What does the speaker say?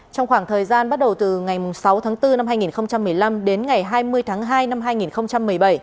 trong khoảng thời gian bắt đầu từ ngày sáu tháng bốn năm hai nghìn một mươi năm đến ngày hai mươi tháng hai năm hai nghìn một mươi bảy